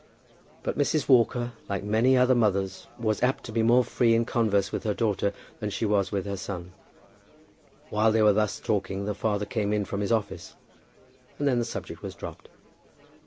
But Mrs. Walker, like many other mothers, was apt to be more free in converse with her daughter than she was with her son. While they were thus talking the father came in from his office, and then the subject was dropped.